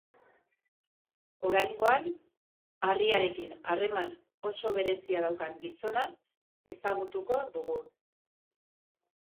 Oraingoan, harriarekin harreman oso berezia daukan gizona ezagutuko dugu.